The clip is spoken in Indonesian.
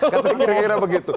kata kira kira begitu